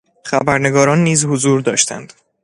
خبرنگاران نیز حضور داشتند.